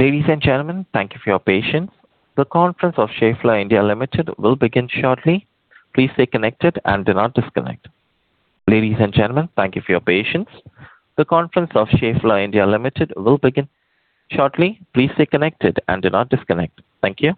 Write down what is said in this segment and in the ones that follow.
Ladies and gentlemen, thank you for your patience. The conference of Schaeffler India Limited will begin shortly. Please stay connected and do not disconnect. Ladies and gentlemen, thank you for your patience. The conference of Schaeffler India Limited will begin shortly. Please stay connected and do not disconnect. Thank you.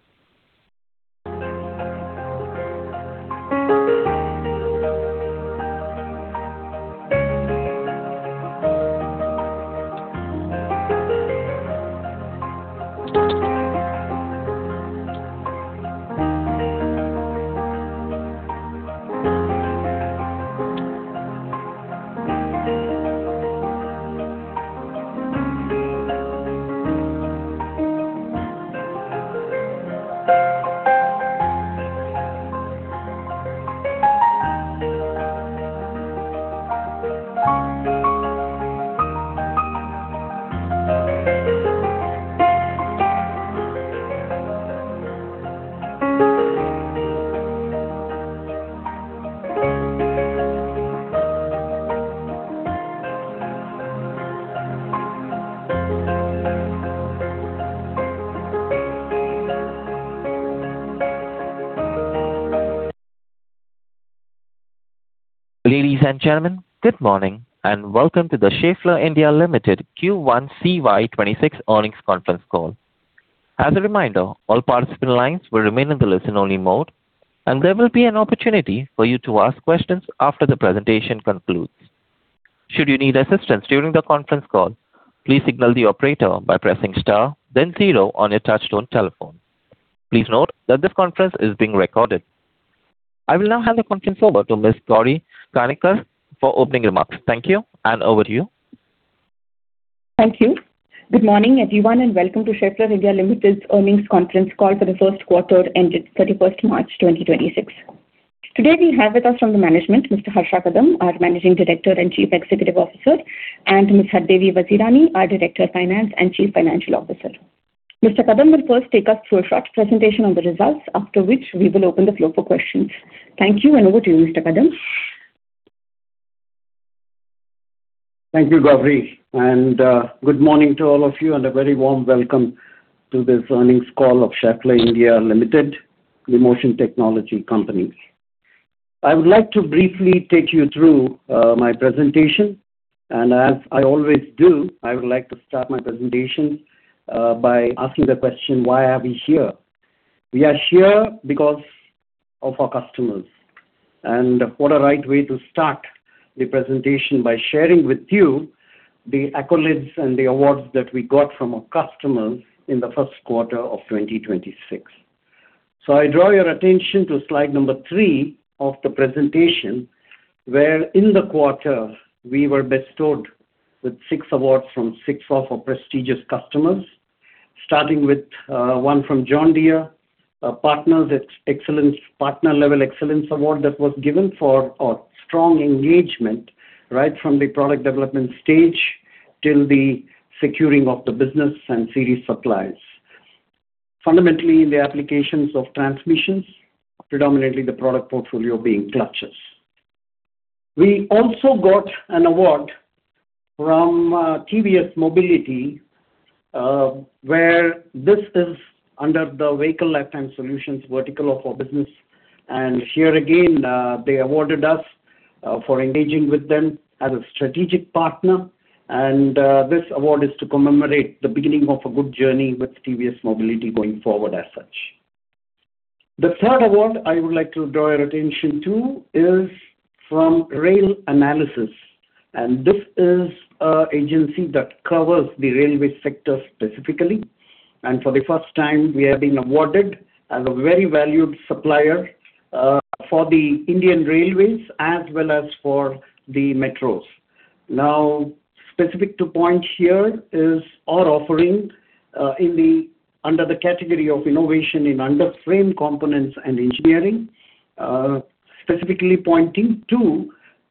Ladies and gentlemen, good morning, and welcome to the Schaeffler India Limited Q1 CY 2026 earnings conference call. As a reminder, all participant lines will remain in the listen-only mode, and there will be an opportunity for you to ask questions after the presentation concludes. Should you need assistance during the conference call, please signal the operator by pressing star then zero on your touchtone telephone. Please note that this conference is being recorded. I will now hand the conference over to Ms. Gauri Kanikar for opening remarks. Thank you, and over to you. Thank you. Good morning, everyone, welcome to Schaeffler India Limited's earnings conference call for the 1st quarter ended 31st March 2026. Today, we have with us from the management Mr. Harsha Kadam, our Managing Director and Chief Executive Officer, and Ms. Hardevi Vazirani, our Director of Finance and Chief Financial Officer. Mr. Kadam will first take us through a short presentation on the results, after which we will open the floor for questions. Thank you, over to you, Mr. Kadam. Thank you, Gauri. Good morning to all of you and a very warm welcome to this earnings call of Schaeffler India Limited, the motion technology company. I would like to briefly take you through my presentation. As I always do, I would like to start my presentation by asking the question: Why are we here? We are here because of our customers. What a right way to start the presentation by sharing with you the accolades and the awards that we got from our customers in the first quarter of 2026. I draw your attention to slide number three of the presentation, where in the quarter we were bestowed with six awards from six of our prestigious customers. Starting with one from John Deere, a Partners with Excellence Partner Level Excellence award that was given for our strong engagement right from the product development stage till the securing of the business and CD supplies. Fundamentally, the applications of transmissions, predominantly the product portfolio being clutches. We also got an award from TVS Mobility, where this is under the Vehicle Lifetime Solutions vertical of our business. Here again, they awarded us for engaging with them as a strategic partner. This award is to commemorate the beginning of a good journey with TVS Mobility going forward as such. The third award I would like to draw your attention to is from Rail Analysis, and this is an agency that covers the railway sector specifically. For the first time, we have been awarded as a very valued supplier, for the Indian Railways as well as for the metros. Specific to point here is our offering, under the category of innovation in underframe components and engineering, specifically pointing to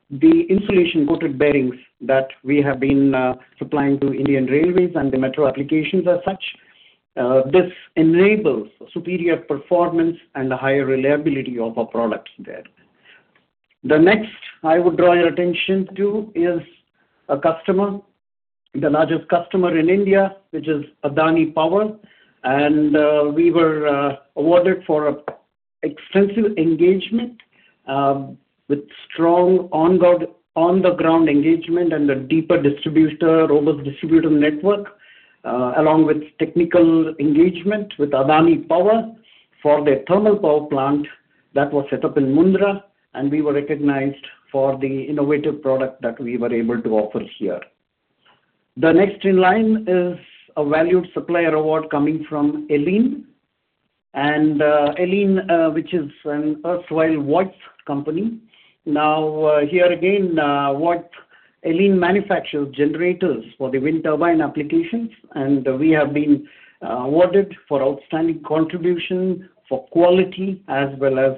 the insulation coated bearings that we have been, supplying to Indian Railways and the metro applications as such. This enables superior performance and higher reliability of our products there. The next I would draw your attention to is a customer, the largest customer in India, which is Adani Power. We were awarded for extensive engagement with strong on-the-ground engagement and a deeper distributor, robust distributor network, along with technical engagement with Adani Power for their thermal power plant that was set up in Mundra, and we were recognized for the innovative product that we were able to offer here. The next in line is a valued supplier award coming from ELIN and uh ELIN, which is an earth soil watts company. Here again, what ELIN manufactures generators for the wind turbine applications, and we have been awarded for outstanding contribution for quality as well as,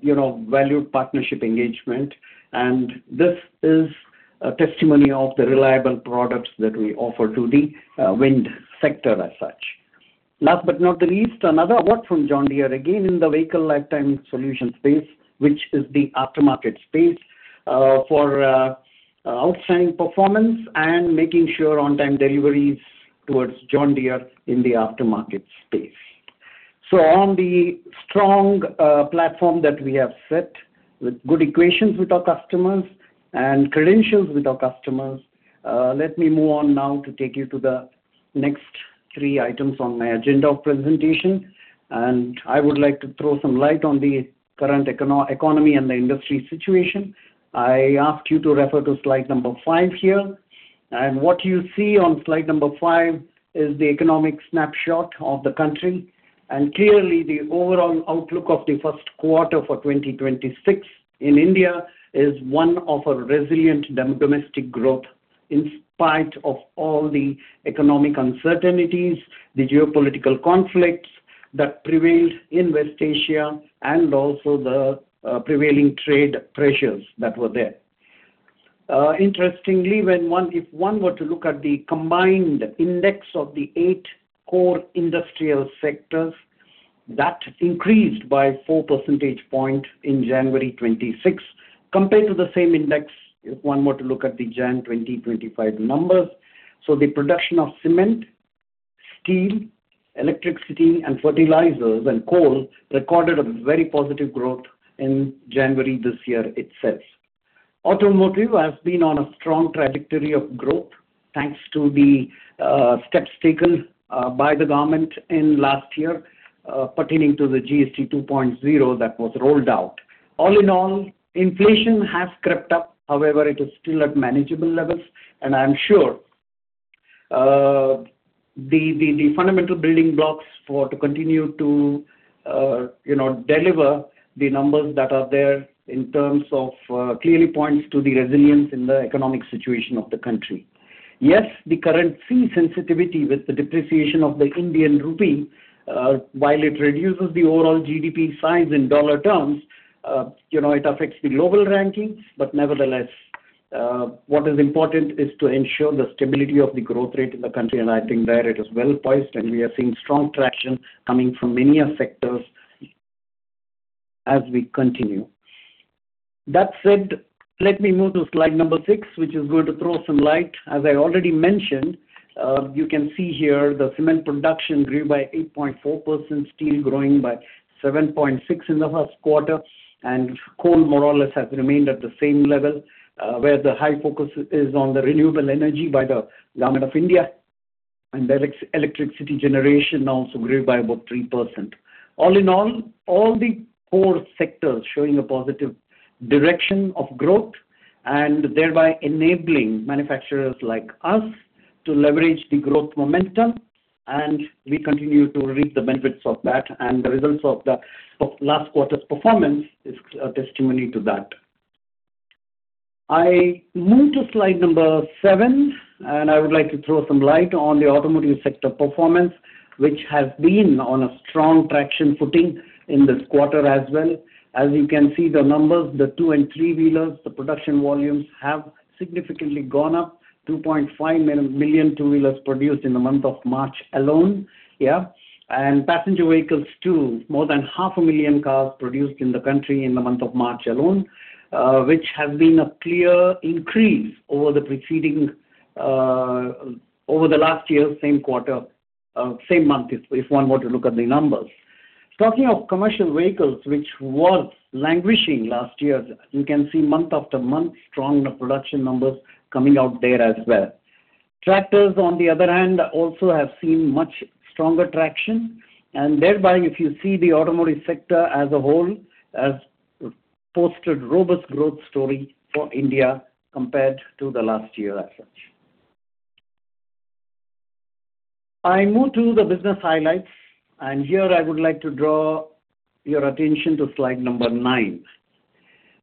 you know, valued partnership engagement. This is a testimony of the reliable products that we offer to the wind sector as such. Last but not least, another award from John Deere, again in the Vehicle Lifetime Solutions space, which is the aftermarket space, for outstanding performance and making sure on-time deliveries towards John Deere in the aftermarket space. On the strong platform that we have set with good equations with our customers and credentials with our customers, let me move on now to take you to the next three items on my agenda of presentation, and I would like to throw some light on the current economy and the industry situation. I ask you to refer to slide number five here. What you see on slide number five is the economic snapshot of the country. Clearly, the overall outlook of the first quarter for 2026 in India is one of a resilient domestic growth in spite of all the economic uncertainties, the geopolitical conflicts that prevailed in West Asia, and also the prevailing trade pressures that were there. Interestingly, if one were to look at the combined index of the eight core industrial sectors, that increased by 4 percentage point in January 2026 compared to the same index if one were to look at the Jan 2025 numbers. The production of cement, steel, electricity and fertilizers and coal recorded a very positive growth in January this year itself. Automotive has been on a strong trajectory of growth thanks to the steps taken by the government in last year pertaining to the GST 2.0 that was rolled out. All in all, inflation has crept up. It is still at manageable levels, and I am sure, the fundamental building blocks for to continue to, you know, deliver the numbers that are there in terms of, clearly points to the resilience in the economic situation of the country. Yes, the currency sensitivity with the depreciation of the Indian rupee, while it reduces the overall GDP size in dollar terms, you know, it affects the global rankings. Nevertheless, what is important is to ensure the stability of the growth rate in the country, and I think there it is well-poised, and we are seeing strong traction coming from many sectors as we continue. Let me move to slide number six, which is going to throw some light. As I already mentioned, you can see here the cement production grew by 8.4%, steel growing by 7.6% in the first quarter, and coal more or less has remained at the same level, where the high focus is on the renewable energy by the Government of India. Electricity generation also grew by about 3%. All in all, the core sector showing a positive direction of growth and thereby enabling manufacturers like us to leverage the growth momentum, and we continue to reap the benefits of that. The results of the last quarter's performance is a testimony to that. I move to slide number seven, and I would like to throw some light on the automotive sector performance, which has been on a strong traction footing in this quarter as well. As you can see the numbers, the two and three-wheelers, the production volumes have significantly gone up, 2.5 million two-wheelers produced in the month of March alone. Yeah. Passenger vehicles too, more than half a million cars produced in the country in the month of March alone, which has been a clear increase over the preceding, over the last year, same quarter, same month if one were to look at the numbers. Talking of commercial vehicles, which was languishing last year, you can see month after month strong production numbers coming out there as well. Tractors, on the other hand, also have seen much stronger traction. Thereby, if you see the automotive sector as a whole, has posted robust growth story for India compared to the last year as such. I move to the business highlights, and here I would like to draw your attention to slide number nine.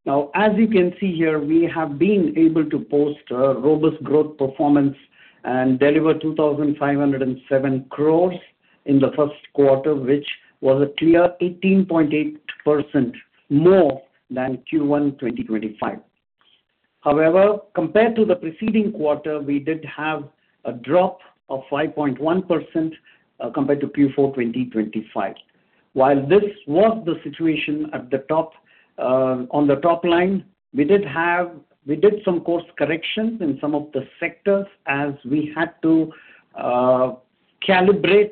Now, as you can see here, we have been able to post a robust growth performance and deliver 2,507 crores in the first quarter, which was a clear 18.8% more than Q1 2025. However, compared to the preceding quarter, we did have a drop of 5.1% compared to Q4 2025. While this was the situation at the top, on the top line, we did some course corrections in some of the sectors as we had to calibrate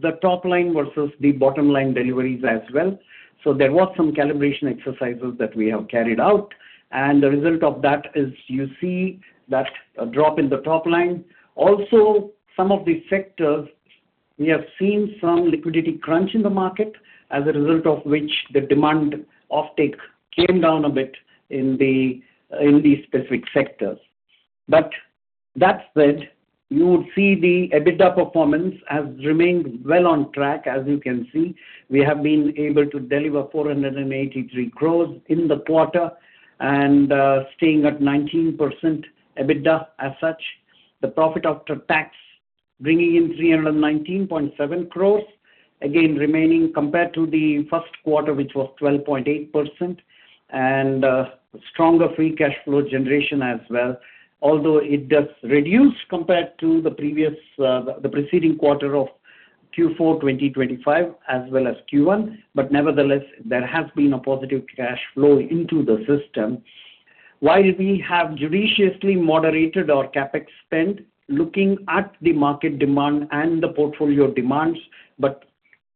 the top line versus the bottom line deliveries as well. There was some calibration exercises that we have carried out, and the result of that is you see that drop in the top line. Some of the sectors we have seen some liquidity crunch in the market as a result of which the demand offtake came down a bit in the, in these specific sectors. That said, you would see the EBITDA performance has remained well on track. As you can see, we have been able to deliver 483 crores in the quarter and staying at 19% EBITDA as such. The profit after tax bringing in 319.7 crores, again remaining compared to the first quarter, which was 12.8%, and stronger free cash flow generation as well. Although it does reduce compared to the previous, the preceding quarter of Q4 2025 as well as Q1, but nevertheless, there has been a positive cash flow into the system. While we have judiciously moderated our CapEx spend looking at the market demand and the portfolio demands, but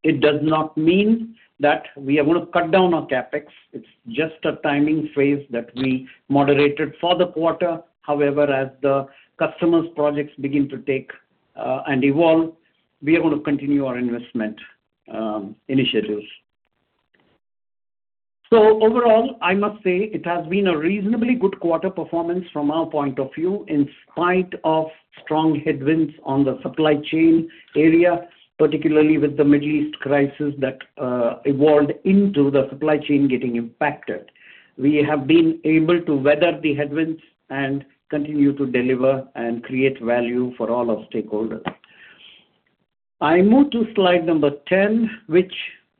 it does not mean that we are going to cut down on CapEx. It's just a timing phase that we moderated for the quarter. However, as the customer's projects begin to take and evolve, we are going to continue our investment initiatives. Overall, I must say it has been a reasonably good quarter performance from our point of view. In spite of strong headwinds on the supply chain area, particularly with the Middle East crisis that evolved into the supply chain getting impacted. We have been able to weather the headwinds and continue to deliver and create value for all our stakeholders. I move to slide number 10, which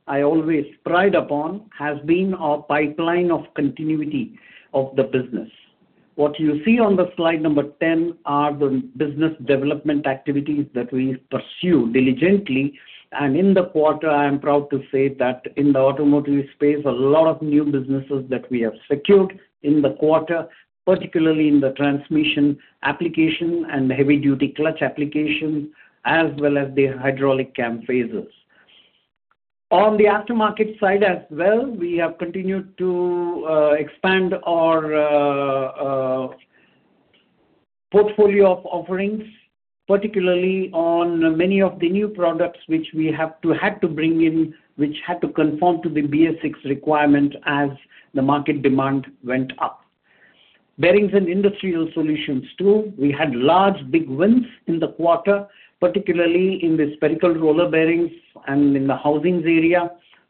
I always pride upon, has been our pipeline of continuity of the business. What you see on the slide number 10 are the business development activities that we pursue diligently. In the quarter, I am proud to say that in the automotive space, a lot of new businesses that we have secured in the quarter, particularly in the transmission application and the heavy-duty clutch applications, as well as the hydraulic cam phasers. On the aftermarket side as well, we have continued to expand our portfolio of offerings, particularly on many of the new products which we had to bring in, which had to conform to the BS6 requirement as the market demand went up. Bearings and Industrial Solutions too, we had large big wins in the quarter, particularly in the spherical roller bearings and in the housings area,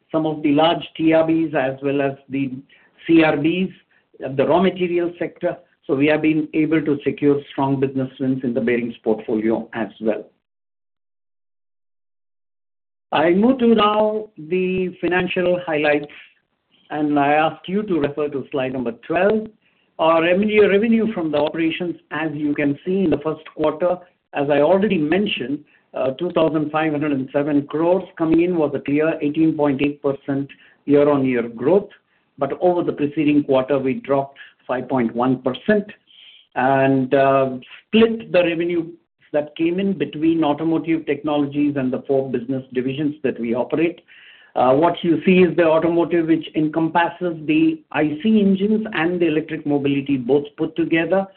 some of the large TRBs as well as the CRBs, the raw material sector. We have been able to secure strong business wins in the bearings portfolio as well. I move to now the financial highlights, and I ask you to refer to slide number 12. Our revenue from the operations, as you can see in the first quarter, as I already mentioned, 2,507 crore coming in was a clear 18.8% year-on-year growth. Over the preceding quarter we dropped 5.1%. Split the revenue that came in between Automotive Technologies and the four business divisions that we operate. What you see is the Automotive, which encompasses the IC engines and the electric mobility both put together.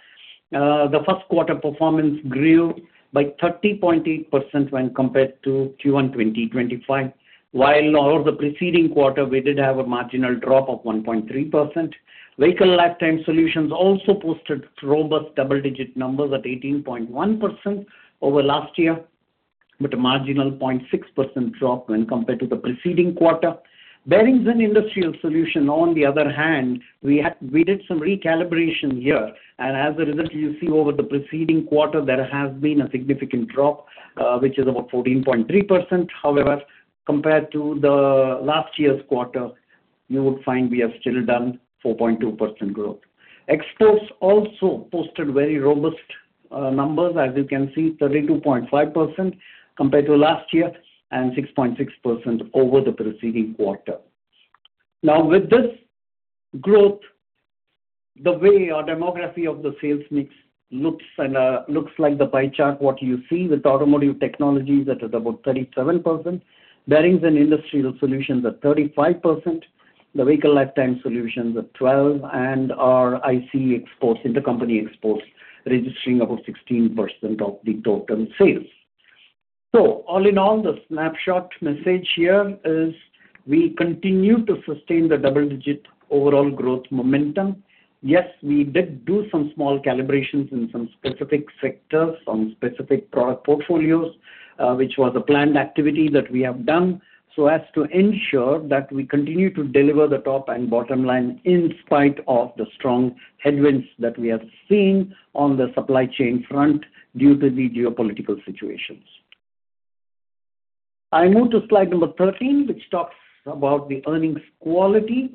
The first quarter performance grew by 30.8% when compared to Q1 2025. While over the preceding quarter we did have a marginal drop of 1.3%. Vehicle Lifetime Solutions also posted robust double-digit numbers at 18.1% over last year, with a marginal 0.6% drop when compared to the preceding quarter. Bearings and Industrial Solutions on the other hand, we did some recalibration here, and as a result, you see over the preceding quarter there has been a significant drop, which is about 14.3%. However, compared to the last year's quarter, you would find we have still done 4.2% growth. Exports also posted very robust numbers. As you can see, 32.5% compared to last year and 6.6% over the preceding quarter. With this growth, the way our demography of the sales mix looks and looks like the pie chart, what you see with Automotive Technologies that is about 37%, Bearings and Industrial Solutions at 35%, the Vehicle Lifetime Solutions at 12%, and our IC exports, intercompany exports registering about 16% of the total sales. All in all, the snapshot message here is we continue to sustain the double-digit overall growth momentum. Yes, we did do some small calibrations in some specific sectors, on specific product portfolios, which was a planned activity that we have done, so as to ensure that we continue to deliver the top and bottom line in spite of the strong headwinds that we have seen on the supply chain front due to the geopolitical situations. I move to slide number 13, which talks about the earnings quality.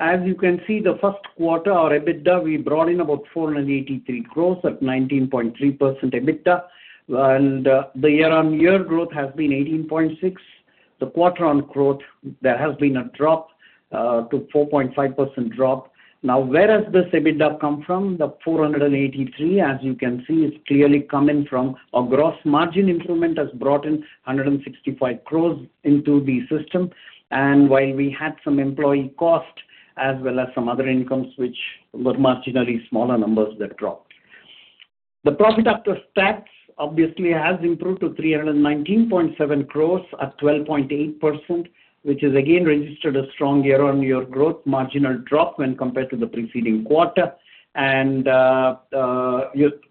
As you can see, the 1st quarter, our EBITDA, we brought in about 483 crores at 19.3% EBITDA. The year-on-year growth has been 18.6%. The quarter-on growth, there has been a drop to 4.5% drop. Now where has this EBITDA come from? The 483, as you can see, is clearly coming from our gross margin improvement has brought in 165 crores into the system. While we had some employee cost as well as some other incomes, which were marginally smaller numbers that dropped. The profit after tax obviously has improved to 319.7 crores at 12.8%, which has again registered a strong year-on-year growth marginal drop when compared to the preceding quarter.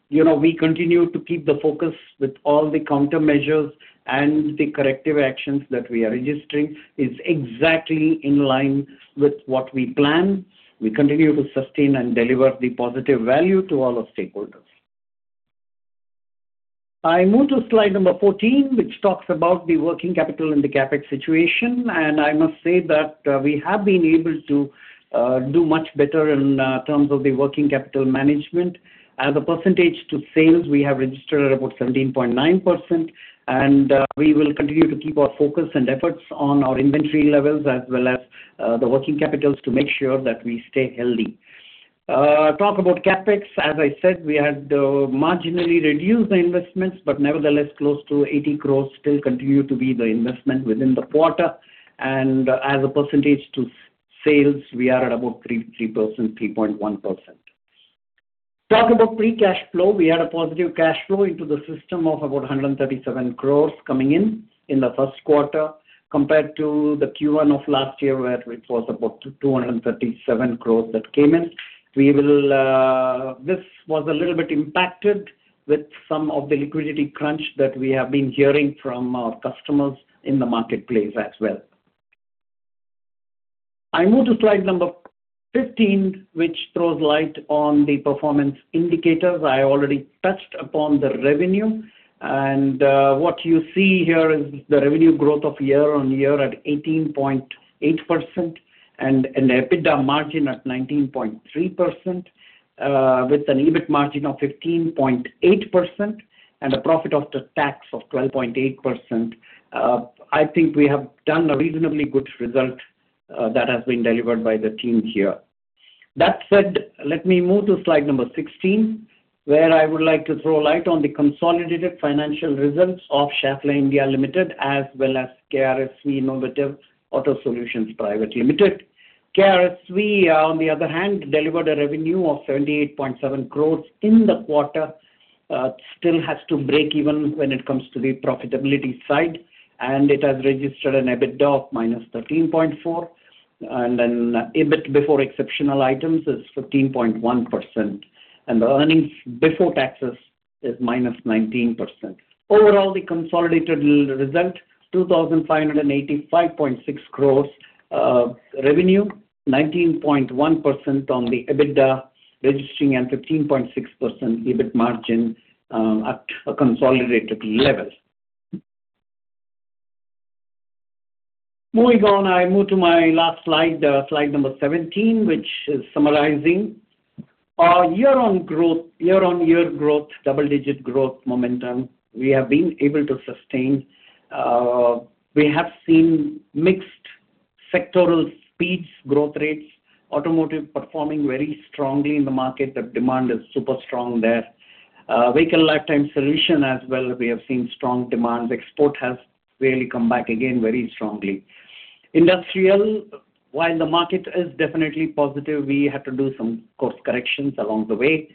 You know, we continue to keep the focus with all the countermeasures and the corrective actions that we are registering is exactly in line with what we plan. We continue to sustain and deliver the positive value to all our stakeholders. I move to slide number 14, which talks about the working capital and the CapEx situation. I must say that we have been able to do much better in terms of the working capital management. As a percentage to sales, we have registered about 17.9%. We will continue to keep our focus and efforts on our inventory levels as well as the working capital to make sure that we stay healthy. Talk about CapEx. As I said, we had marginally reduced the investments, but nevertheless close to 80 crore still continue to be the investment within the quarter. As a percentage to sales, we are at about 3.1%. Talk about free cash flow. We had a positive cash flow into the system of about 137 crores coming in in the first quarter compared to the Q1 of last year, where it was about 237 crores that came in. This was a little bit impacted with some of the liquidity crunch that we have been hearing from our customers in the marketplace as well. I move to slide number 15, which throws light on the performance indicators. I already touched upon the revenue. What you see here is the revenue growth of year-on-year at 18.8% and an EBITDA margin at 19.3%, with an EBIT margin of 15.8% and a profit after tax of 12.8%. I think we have done a reasonably good result that has been delivered by the team here. That said, let me move to slide number 16, where I would like to throw light on the consolidated financial results of Schaeffler India Limited, as well as KRSV Innovative Auto Solutions Private Limited. KRSV, on the other hand, delivered a revenue of 78.7 crores in the quarter. Still has to break even when it comes to the profitability side, and it has registered an EBITDA of -13.4%. EBIT before exceptional items is 15.1%, and the earnings before taxes is -19%. Overall, the consolidated result, 2,585.6 crores revenue, 19.1% on the EBITDA registering and 15.6% EBIT margin at a consolidated level. Moving on, I move to my last slide number 17, which is summarizing. Our year-on-year growth, double-digit growth momentum we have been able to sustain. We have seen mixed sectoral speeds, growth rates. Automotive performing very strongly in the market. The demand is super strong there. Vehicle Lifetime Solutions as well, we have seen strong demand. Export has really come back again very strongly. Industrial, while the market is definitely positive, we had to do some course corrections along the way.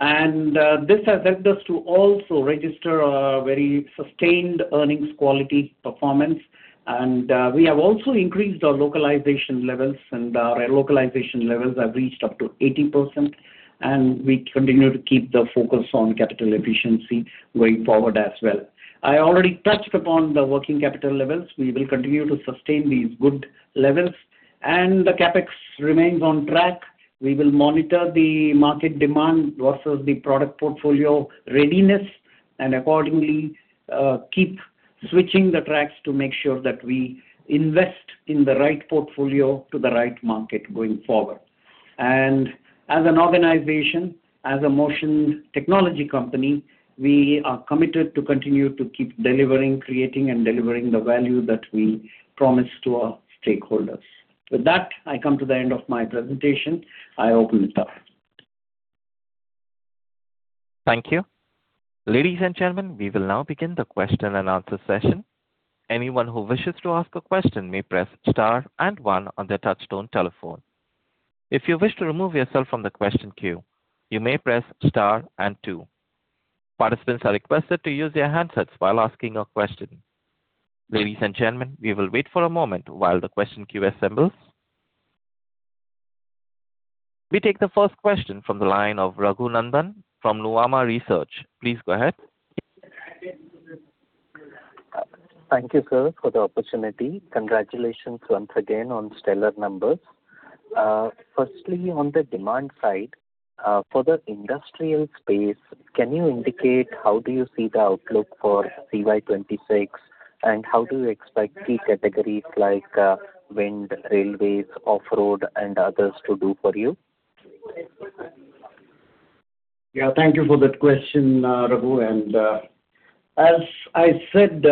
This has helped us to also register a very sustained earnings quality performance. We have also increased our localization levels, and our localization levels have reached up to 80%, and we continue to keep the focus on capital efficiency going forward as well. I already touched upon the working capital levels. We will continue to sustain these good levels. The CapEx remains on track. We will monitor the market demand versus the product portfolio readiness and accordingly, keep switching the tracks to make sure that we invest in the right portfolio to the right market going forward. As an organization, as a motion technology company, we are committed to continue to keep delivering, creating and delivering the value that we promise to our stakeholders. With that, I come to the end of my presentation. I open the floor. Thank you. Ladies and gentlemen, we will now begin the question and answer session. Anyone who wishes to ask a question may press star and one on their touchtone telephone. If you wish to remove yourself from the question queue, you may press star and two. Participants are requested to use their handsets while asking a question. Ladies and gentlemen, we will wait for a moment while the question queue assembles. We take the first question from the line of Raghunandan from Nuvama Research. Please go ahead. Thank you, sir, for the opportunity. Congratulations once again on stellar numbers. Firstly, on the demand side, for the industrial space, can you indicate how do you see the outlook for FY 2026, and how do you expect key categories like wind, railways, off-road and others to do for you? Yeah. Thank you for that question, Raghu. As I said,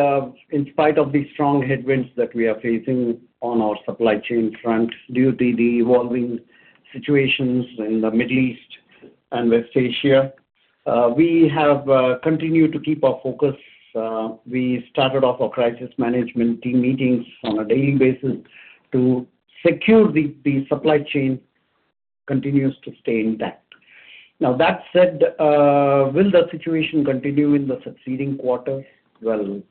in spite of the strong headwinds that we are facing on our supply chain front due to the evolving situations in the Middle East and West Asia, we have continued to keep our focus. We started off our crisis management team meetings on a daily basis to secure the supply chain continues to stay intact. Now that said, will the situation continue in the succeeding quarter? Well,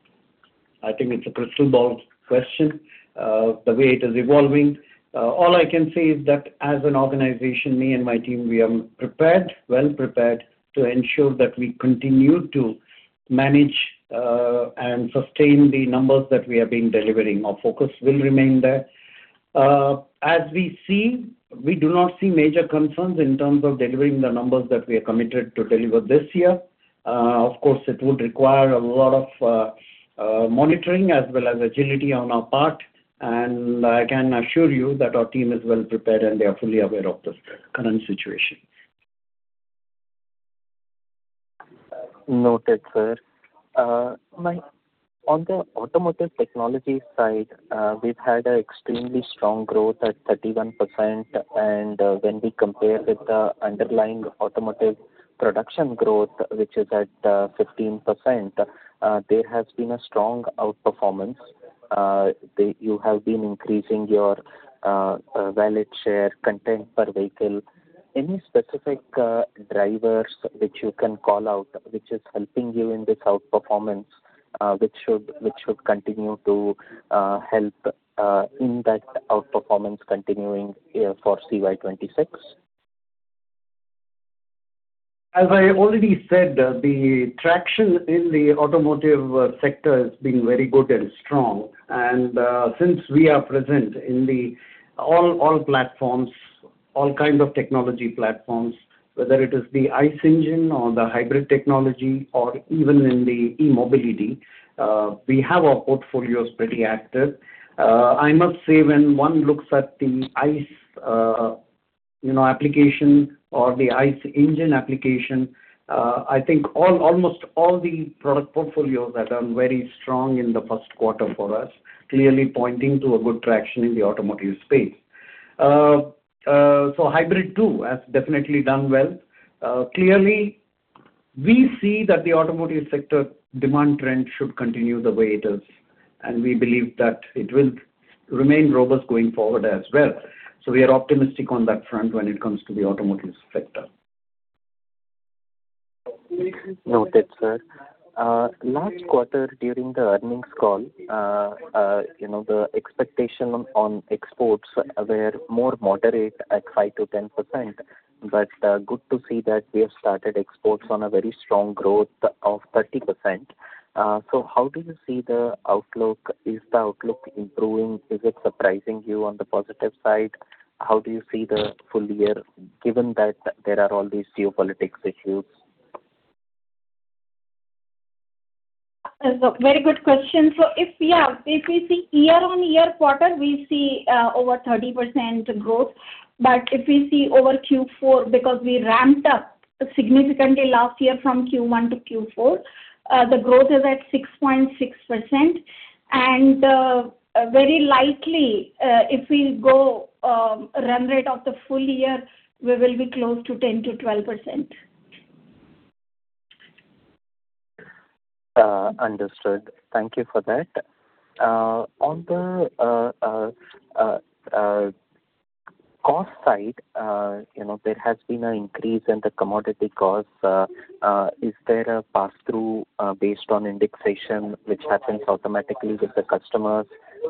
I think it's a crystal ball question, the way it is evolving. All I can say is that as an organization, me and my team, we are prepared, well prepared to ensure that we continue to manage and sustain the numbers that we have been delivering. Our focus will remain there. As we see, we do not see major concerns in terms of delivering the numbers that we are committed to deliver this year. Of course, it would require a lot of monitoring as well as agility on our part, and I can assure you that our team is well prepared, and they are fully aware of the current situation. Noted, sir. On the automotive technology side, we've had a extremely strong growth at 31%. When we compare with the underlying automotive production growth, which is at 15%, there has been a strong outperformance. You have been increasing your wallet share content per vehicle. Any specific drivers which you can call out which is helping you in this outperformance, which should continue to help in that outperformance continuing for CY 2026? As I already said, the traction in the automotive sector has been very good and strong. Since we are present in the all platforms, all kinds of technology platforms, whether it is the ICE engine or the hybrid technology or even in the e-mobility, we have our portfolios pretty active. I must say when one looks at the ICE, you know, application or the ICE engine application, I think almost all the product portfolios that are very strong in the first quarter for us clearly pointing to a good traction in the automotive space. Hybrid too has definitely done well. Clearly we see that the automotive sector demand trend should continue the way it is, and we believe that it will remain robust going forward as well. We are optimistic on that front when it comes to the automotive sector. Noted, sir. Last quarter during the earnings call, you know, the expectation on exports were more moderate at 5%-10%. Good to see that we have started exports on a very strong growth of 30%. How do you see the outlook? Is the outlook improving? Is it surprising you on the positive side? How do you see the full year given that there are all these geopolitics issues? It's a very good question. If we see year-over-year quarter, we see over 30% growth. If we see over Q4, because we ramped up significantly last year from Q1 to Q4, the growth is at 6.6%. Very likely, if we go run rate of the full year, we will be close to 10%-12%. Understood. Thank you for that. On the cost side, you know, there has been an increase in the commodity costs. Is there a passthrough based on indexation which happens automatically with the customers?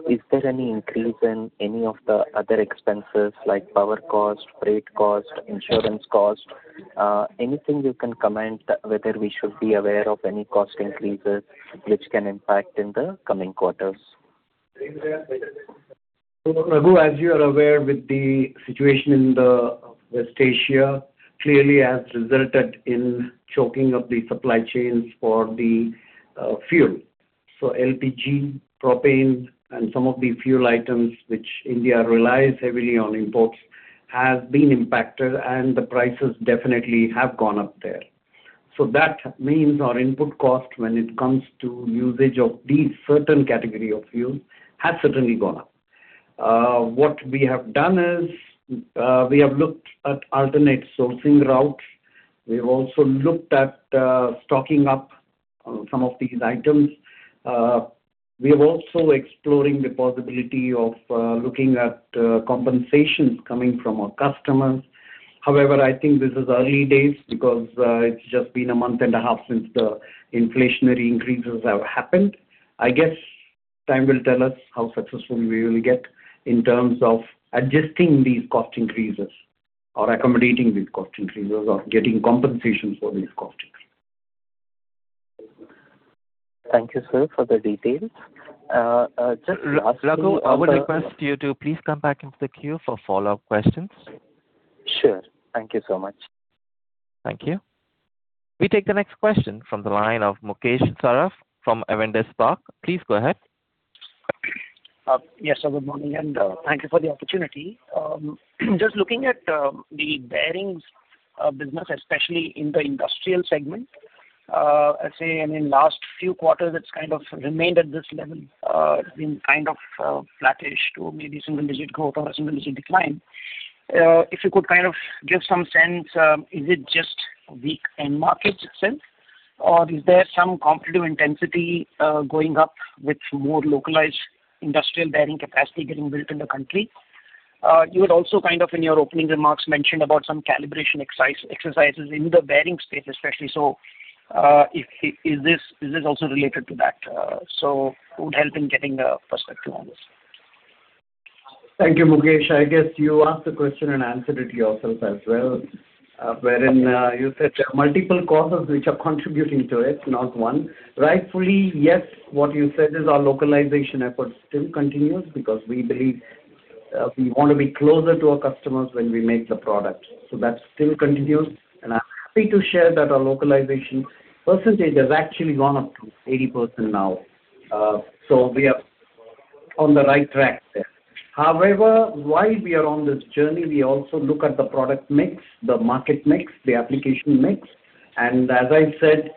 Is there any increase in any of the other expenses like power cost, freight cost, insurance cost? Anything you can comment whether we should be aware of any cost increases which can impact in the coming quarters? Raghu, as you are aware, with the situation in the West Asia clearly has resulted in choking of the supply chains for the fuel. LPG, propane and some of the fuel items which India relies heavily on imports has been impacted, and the prices definitely have gone up there. That means our input cost when it comes to usage of these certain category of fuel has certainly gone up. What we have done is, we have looked at alternate sourcing routes. We've also looked at stocking up on some of these items. We are also exploring the possibility of looking at compensations coming from our customers. However, I think this is early days because it's just been a month and a half since the inflationary increases have happened. I guess time will tell us how successful we will get in terms of adjusting these cost increases or accommodating these cost increases or getting compensations for these cost increases. Thank you, sir, for the details. Raghu, I would request you to please come back into the queue for follow-up questions. Sure. Thank you so much. Thank you. We take the next question from the line of Mukesh Saraf from Avendus Spark. Please go ahead. Yes, sir, good morning, thank you for the opportunity. Just looking at the bearings business, especially in the industrial segment, I'd say in the last few quarters it's kind of remained at this level. It's been kind of flattish to maybe single-digit growth or a single-digit decline. If you could kind of give some sense, is it just weak end markets itself, or is there some competitive intensity going up with more localized industrial bearing capacity getting built in the country? You had also kind of in your opening remarks mentioned about some calibration exercises in the bearing space especially. Is this also related to that? Would help in getting a perspective on this. Thank you, Mukesh. I guess you asked the question and answered it yourself as well. Wherein, you said multiple causes which are contributing to it, not one. Rightfully, yes, what you said is our localization effort still continues because we believe, we want to be closer to our customers when we make the product. That still continues. I'm happy to share that our localization percentage has actually gone up to 80% now. We are on the right track there. While we are on this journey, we also look at the product mix, the market mix, the application mix. As I said,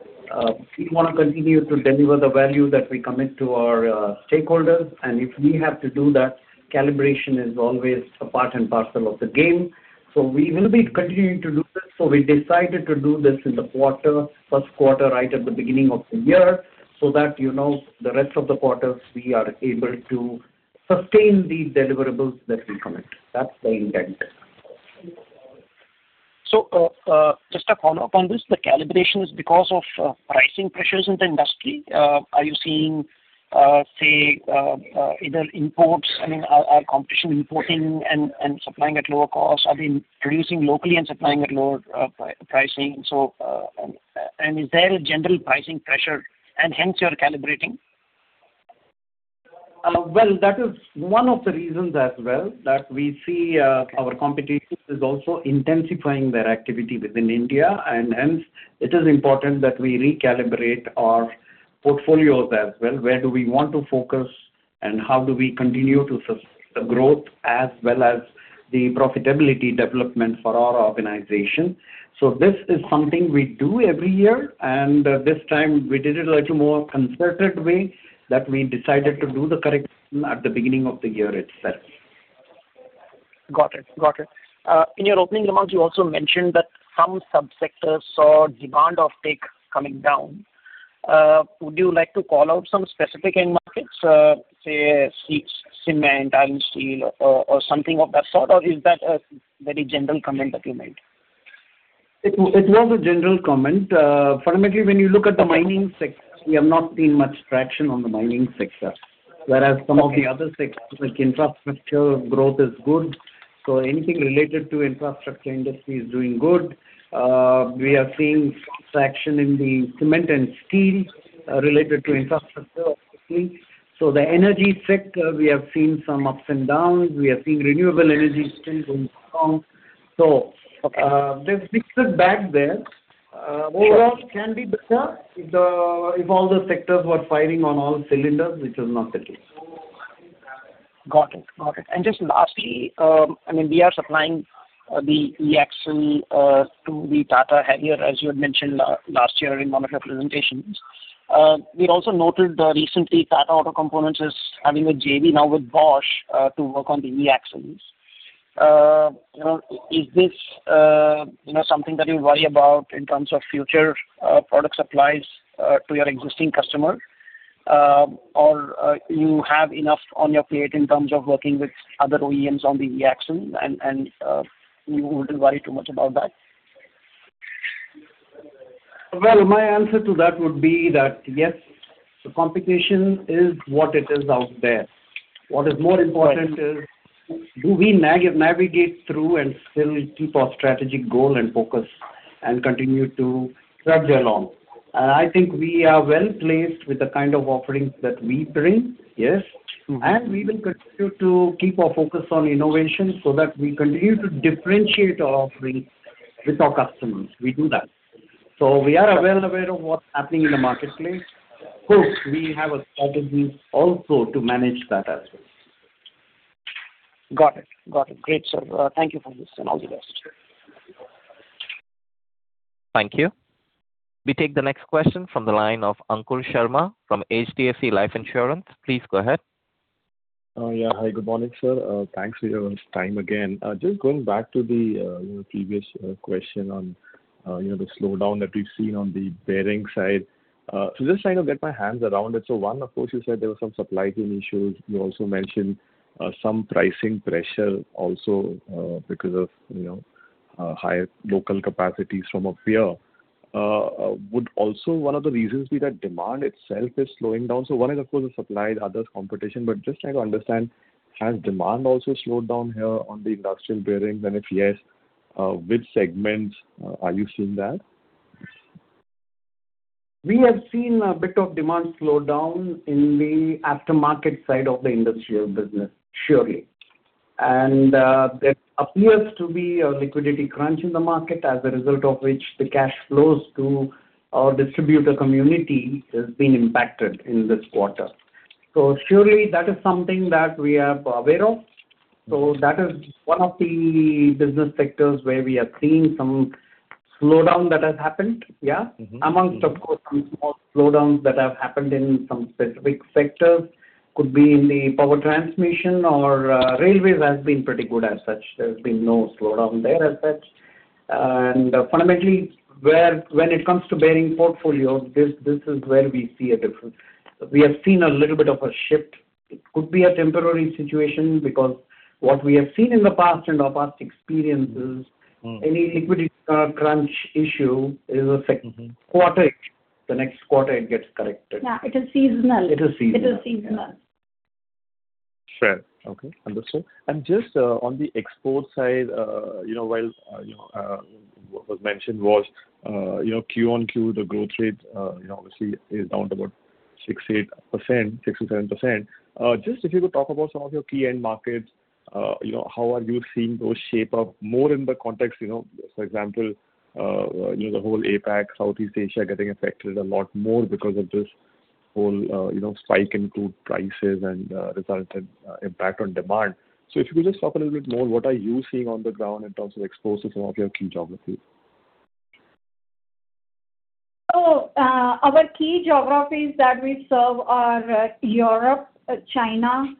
we wanna continue to deliver the value that we commit to our stakeholders. If we have to do that, calibration is always a part and parcel of the game. We will be continuing to do this. We decided to do this in the quarter, first quarter, right at the beginning of the year, so that, you know, the rest of the quarters we are able to sustain the deliverables that we commit. That's the intent. Just a follow-up on this. The calibration is because of pricing pressures in the industry. Are you seeing, say, either imports, I mean, are competition importing and supplying at lower cost? Are they producing locally and supplying at lower pricing? Is there a general pricing pressure and hence you're calibrating? Well, that is one of the reasons as well that we see, our competition is also intensifying their activity within India and hence it is important that we recalibrate our portfolios as well. Where do we want to focus, and how do we continue to sus- the growth as well as the profitability development for our organization? This is something we do every year, and this time we did it a little more concerted way that we decided to do the correction at the beginning of the year itself. Got it. Got it. In your opening remarks, you also mentioned that some sub-sectors saw demand offtake coming down. Would you like to call out some specific end markets, say, sheets, cement, iron, steel or something of that sort? Or is that a very general comment that you made? It was a general comment. Fundamentally, when you look at the mining sector, we have not seen much traction on the mining sector. Okay. Some of the other sectors like infrastructure growth is good. Anything related to infrastructure industry is doing good. We have seen some traction in the cement and steel related to infrastructure obviously. The energy sector, we have seen some ups and downs. We have seen renewable energy still doing strong. Okay. There's mixed bag there,- Yes. -overall can be better if all the sectors were firing on all cylinders, which is not the case. Got it. Got it. Just lastly, I mean, we are supplying the e-axle to the Tata Harrier, as you had mentioned last year in one of your presentations. We also noted recently Tata AutoComp Systems is having a JV now with Bosch to work on the e-axles. You know, is this, you know, something that you worry about in terms of future product supplies to your existing customer? Or, you have enough on your plate in terms of working with other OEMs on the e-axle and you wouldn't worry too much about that? Well, my answer to that would be that, yes, the competition is what it is out there. What is more important is do we navigate through and still keep our strategic goal and focus and continue to trudge along? I think we are well-placed with the kind of offerings that we bring, yes. Mm-hmm. We will continue to keep our focus on innovation so that we continue to differentiate our offering with our customers. We do that. We are well aware of what's happening in the marketplace. Of course, we have a strategy also to manage that as well. Got it. Got it. Great, sir. Thank you for this, and all the best. Thank you. We take the next question from the line of Ankur Sharma from HDFC Life Insurance. Please go ahead. Yeah. Hi, good morning, sir. Thanks for your time again. Just going back to the, you know, previous question on, you know, the slowdown that we've seen on the bearing side. Just trying to get my hands around it. One, of course, you said there were some supply chain issues. You also mentioned some pricing pressure also, because of, you know, higher local capacities from up here. Would also one of the reasons be that demand itself is slowing down? One is of course the supply, the other is competition. Just trying to understand, has demand also slowed down here on the industrial bearings? And if yes, which segments are you seeing that? We have seen a bit of demand slowdown in the aftermarket side of the industrial business, surely. There appears to be a liquidity crunch in the market as a result of which the cash flows to our distributor community has been impacted in this quarter. Surely that is something that we are aware of. That is one of the business sectors where we have seen some slowdown that has happened, yeah. Mm-hmm. Amongst of course some small slowdowns that have happened in some specific sectors. Could be in the power transmission or railways has been pretty good as such. There's been no slowdown there as such. Fundamentally, where, when it comes to bearing portfolios, this is where we see a difference. We have seen a little bit of a shift. It could be a temporary situation because what we have seen in the past and our past experiences. Mm-hmm. Mm-hmm. Any liquidity, crunch issue is a- Mm-hmm. -quarter issue. The next quarter it gets corrected. Yeah, it is seasonal. It is seasonal. It is seasonal. Sure. Okay, understood. Just on the export side, you know, while, you know, what was mentioned was, you know, Q-on-Q, the growth rate, you know, obviously is down to about 68%, 67%. Just if you could talk about some of your key end markets, you know, how are you seeing those shape up more in the context, you know, for example, you know, the whole APAC, Southeast Asia getting affected a lot more because of this whole, you know, spike in crude prices and resultant impact on demand. If you could just talk a little bit more, what are you seeing on the ground in terms of exposure to some of your key geographies? Our key geographies that we serve are, Europe, China,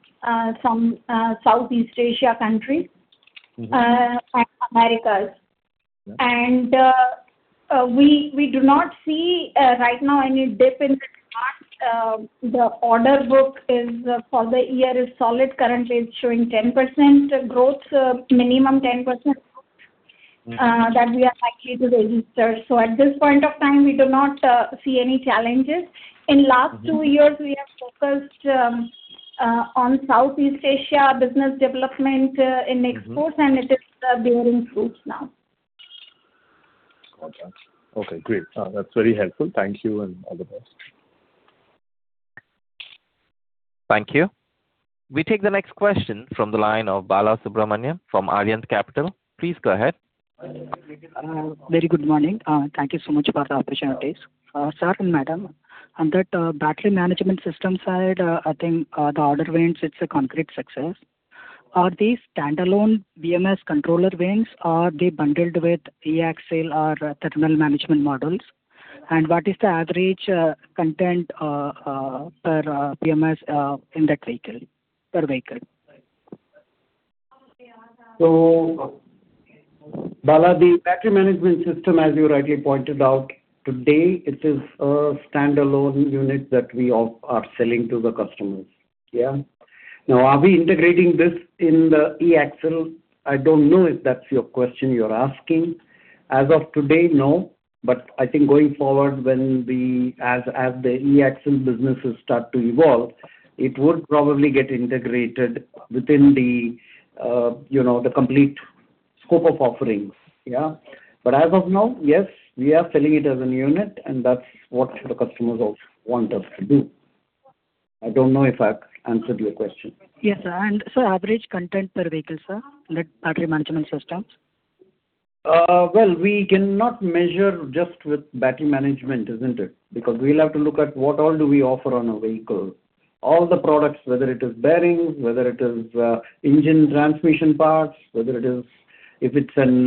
some, Southeast Asia countries. Mm-hmm. -and Americas. Yeah. We do not see right now any dip in demand. The order book is for the year is solid. Currently it's showing minimum 10% growth- Mm-hmm. -that we are likely to register. At this point of time, we do not see any challenges. Mm-hmm. In last two years we have focused on Southeast Asia business development in exports- Mm-hmm. -and it is bearing fruits now. Got that. Okay, great. That's very helpful. Thank you, and all the best. Thank you. We take the next question from the line of Balasubramanian from Arihant Capital. Please go ahead. Very good morning. Thank you so much for the opportunity. Sir and madam, on that, battery management system side, I think, the order wins, it's a concrete success. Are these standalone BMS controller wins or are they bundled with e-axle or terminal management models? What is the average, content, per, BMS, in that vehicle, per vehicle? Bala, the battery management system, as you rightly pointed out, today it is a standalone unit that we are selling to the customers. Yeah. Are we integrating this in the e-axle? I don't know if that's your question you're asking. As of today, no. I think going forward as the e-axle businesses start to evolve, it would probably get integrated within the, you know, the complete scope of offerings. Yeah. As of now, yes, we are selling it as a unit, and that's what the customers also want us to do. I don't know if I answered your question. Yes, sir. Sir, average content per vehicle, sir, in that battery management systems? Well, we cannot measure just with battery management, isn't it? We'll have to look at what all do we offer on a vehicle. All the products, whether it is bearings, whether it is engine transmission parts, whether it is, if it's an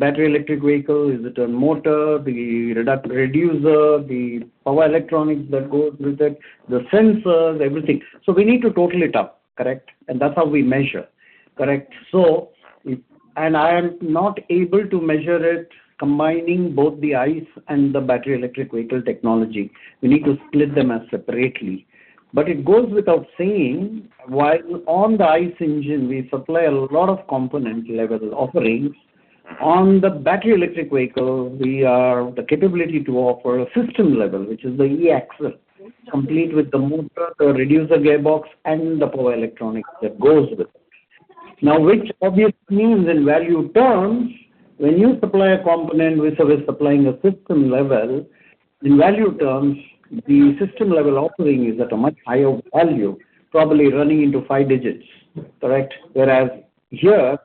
battery electric vehicle, is it a motor, the reducer, the power electronics that goes with it, the sensors, everything. We need to total it up, correct? That's how we measure. Correct. I am not able to measure it combining both the ICE and the battery electric vehicle technology. We need to split them as separately. It goes without saying, while on the ICE engine we supply a lot of component level offerings, on the battery electric vehicle we are the capability to offer a system level, which is the e-axle, complete with the motor, the reducer gearbox, and the power electronics that goes with it. Which obviously means in value terms, when you supply a component versus supplying a system level, in value terms, the system level offering is at a much higher value, probably running into 5 digits. Correct. Whereas here,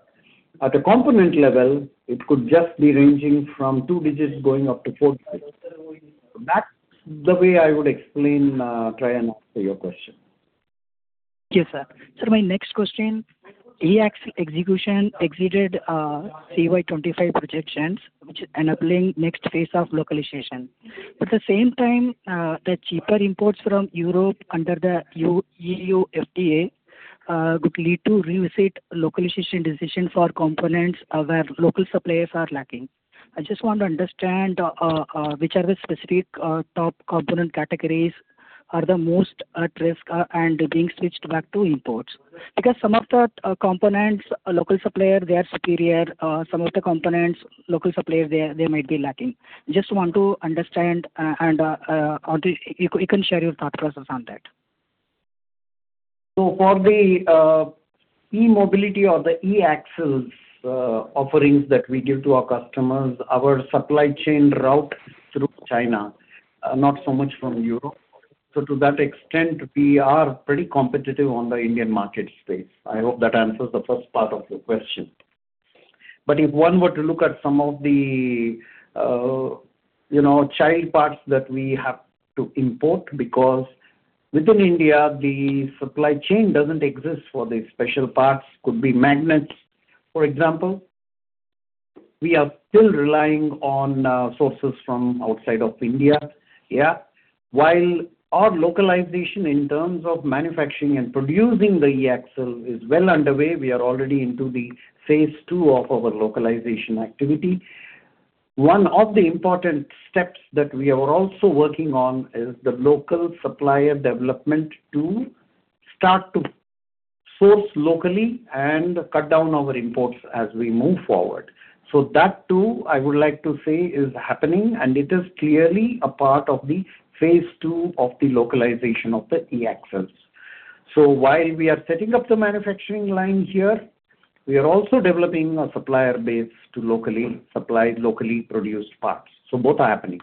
at a component level, it could just be ranging from two digits going up to four digits. That's the way I would explain, try and answer your question. Yes, sir. Sir, my next question, e-axle execution exceeded, CY 2025 projections, which is enabling next phase of localization. At the same time, the cheaper imports from Europe under the EU FTA, could lead to revisit localization decision for components where local suppliers are lacking. I just want to understand, which are the specific, top component categories are the most at risk, and being switched back to imports. Because some of the components, local supplier, they are superior. Some of the components, local supplier, they might be lacking. Just want to understand, and you can share your thought process on that. For the e-mobility or the e-axles offerings that we give to our customers, our supply chain route is through China, not so much from Europe. To that extent, we are pretty competitive on the Indian market space. I hope that answers the first part of your question. If one were to look at some of the, you know, child parts that we have to import because within India, the supply chain doesn't exist for these special parts, could be magnets, for example. We are still relying on sources from outside of India. Yeah. While our localization in terms of manufacturing and producing the e-axle is well underway, we are already into the phase two of our localization activity. One of the important steps that we are also working on is the local supplier development to start to source locally and cut down our imports as we move forward. That too, I would like to say is happening, and it is clearly a part of the phase two of the localization of the e-axles. While we are setting up the manufacturing line here, we are also developing a supplier base to locally supply locally produced parts. Both are happening.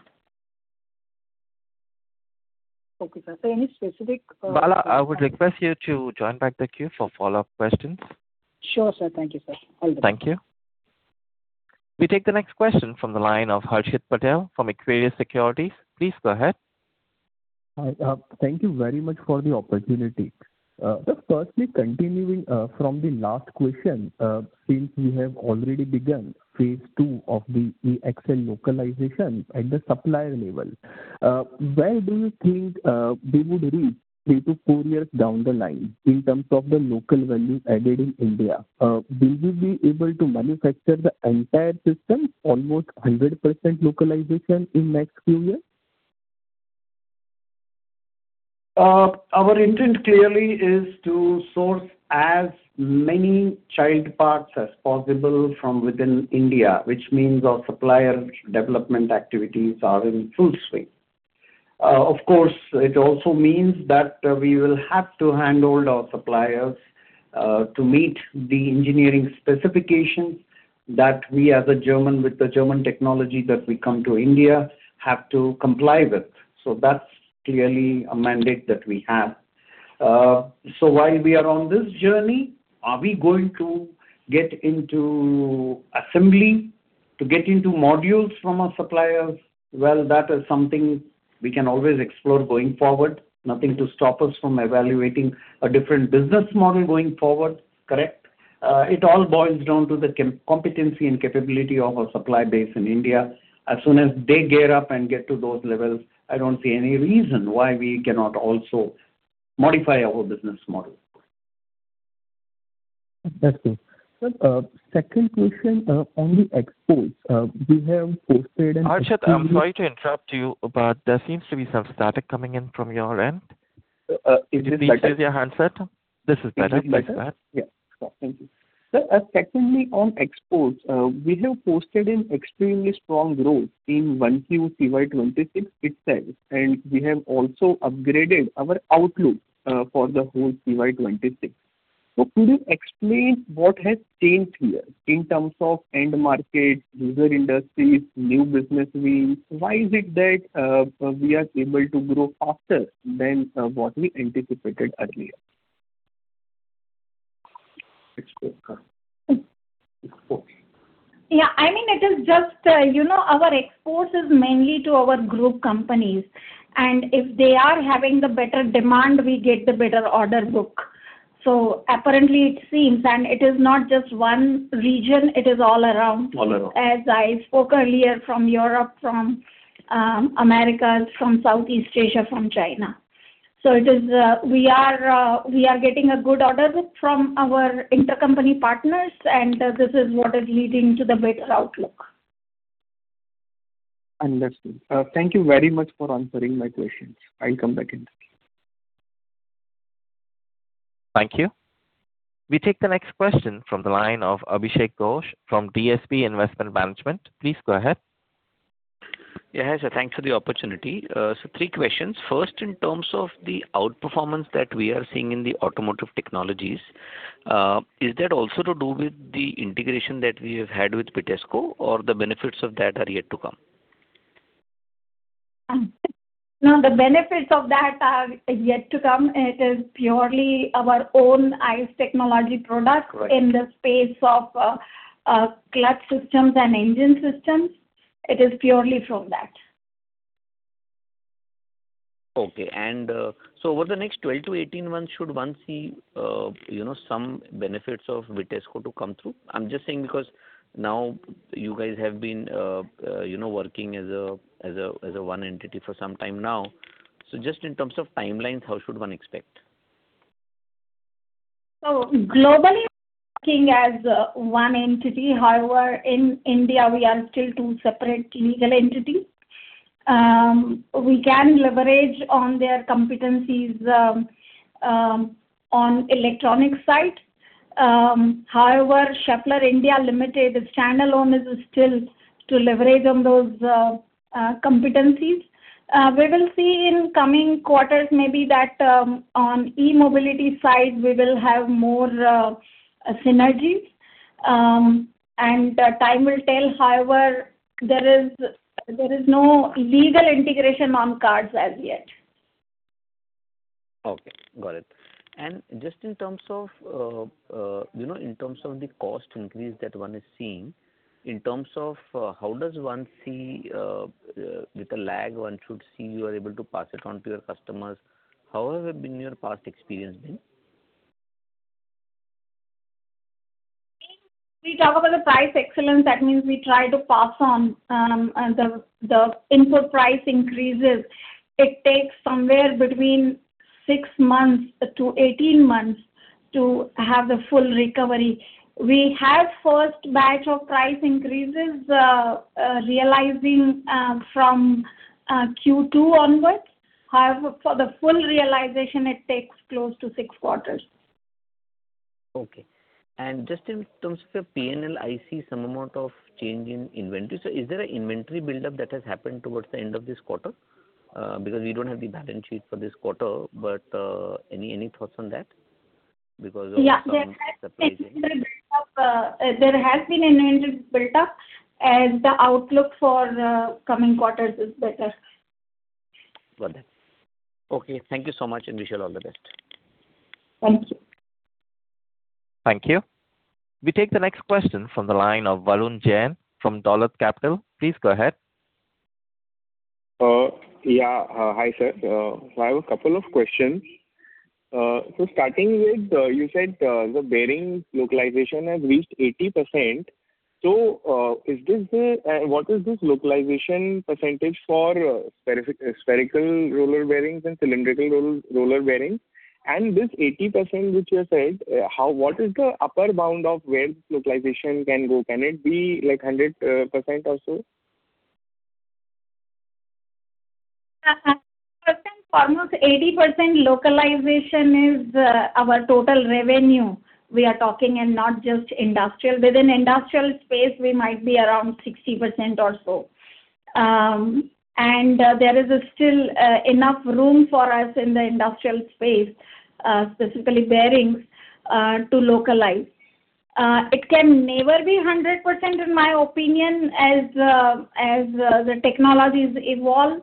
Okay, sir. Any specific? Bala, I would request you to join back the queue for follow-up questions. Sure, sir. Thank you, sir. All the best. Thank you. We take the next question from the line of Harshit Patel from Equirus Securities. Please go ahead. Hi. Thank you very much for the opportunity. Just firstly continuing from the last question, since we have already begun phase two of the e-axle localization at the supplier level, where do you think we would reach three to four years down the line in terms of the local value added in India? Will we be able to manufacture the entire system almost 100% localization in next few years? Our intent clearly is to source as many child parts as possible from within India, which means our supplier development activities are in full swing. Of course, it also means that we will have to handhold our suppliers to meet the engineering specifications that we as a German with the German technology that we come to India have to comply with. That's clearly a mandate that we have. While we are on this journey, are we going to get into assembly to get into modules from our suppliers? Well, that is something we can always explore going forward. Nothing to stop us from evaluating a different business model going forward. Correct. It all boils down to the competency and capability of our supply base in India. As soon as they gear up and get to those levels, I don't see any reason why we cannot also modify our business model. Understood. Well, second question on the exports. We have posted an extremely- Harshit, I'm sorry to interrupt you, but there seems to be some static coming in from your end. Is this better? Could you please use your handset? This is better. Is that better? Much better. Yeah. Thank you. Secondly, on exports, we have posted an extremely strong growth in 1Q, CY 2026 itself, and we have also upgraded our outlook for the whole CY 2026. Could you explain what has changed here in terms of end market, user industries, new business wins? Why is it that we are able to grow faster than what we anticipated earlier? Exports. Yeah. I mean, it is just, you know, our exports is mainly to our group companies. If they are having the better demand, we get the better order book. Apparently it seems, it is not just one region, it is all around. All around. As I spoke earlier, from Europe, from Americas, from Southeast Asia, from China. It is, we are getting a good order book from our intercompany partners, and this is what is leading to the better outlook. Understood. Thank you very much for answering my questions. I'll come back in the queue. Thank you. We take the next question from the line of Abhishek Ghosh from DSP Investment Management. Please go ahead. Yeah, sure. Thanks for the opportunity. Three questions. First, in terms of the outperformance that we are seeing in the Automotive Technologies, is that also to do with the integration that we have had with Vitesco, or the benefits of that are yet to come? No, the benefits of that are yet to come. It is purely our own ICE technology product. Correct. in the space of, clutch systems and engine systems. It is purely from that. Okay. Over the next 12-18 months, should one see, you know, some benefits of Vitesco to come through? I'm just saying because now you guys have been, you know, working as a one entity for some time now. Just in terms of timelines, how should one expect? Globally, working as one entity, however, in India, we are still two separate legal entity. We can leverage on their competencies on electronic side. However, Schaeffler India Limited is standalone still to leverage on those competencies. We will see in coming quarters maybe that on e-mobility side we will have more synergies. Time will tell. However, there is no legal integration on cards as yet. Okay. Got it. Just in terms of, you know, in terms of the cost increase that one is seeing, in terms of, how does one see, with a lag one should see you are able to pass it on to your customers, how has it been your past experience been? When we talk about the price excellence, that means we try to pass on the input price increases. It takes somewhere between 6 months to 18 months to have the full recovery. We have first batch of price increases realizing from Q2 onwards. However, for the full realization, it takes close to six quarters. Okay. Just in terms of your P&L, I see some amount of change in inventory. Is there an inventory buildup that has happened towards the end of this quarter? Because we don't have the balance sheet for this quarter, but, any thoughts on that? Yeah, there has been inventory built up, and the outlook for the coming quarters is better. Got it. Okay, thank you so much, and wish you all the best. Thank you. Thank you. We take the next question from the line of Varun Jain from Dolat Capital. Please go ahead. Hi, sir. I have a couple of questions. Starting with, you said the bearing localization has reached 80%. What is this localization percentage for spherical roller bearings and cylindrical roller bearings? And this 80% which you have said, how, what is the upper bound of where localization can go? Can it be like 100% or so? First and foremost, 80% localization is our total revenue we are talking and not just industrial. Within industrial space, we might be around 60% or so. There is still enough room for us in the industrial space, specifically bearings, to localize. It can never be 100% in my opinion as as the technologies evolve.